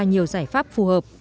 và nhiều giải pháp phù hợp